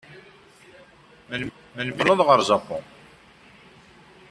Melmi ara teqqleḍ ɣer Japun?